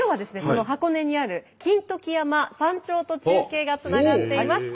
その箱根にある金時山山頂と中継がつながっています。